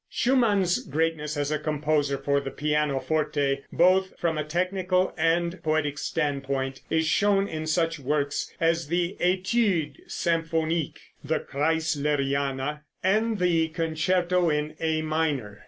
Schumann's greatness as a composer for the pianoforte, both from a technical and poetic standpoint, is shown in such works as the "Études Symphoniques," the "Kreisleriana," and the concerto in A minor.